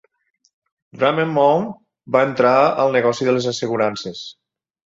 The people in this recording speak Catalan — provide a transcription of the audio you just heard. Drummer Mount va entrar al negoci de les assegurances.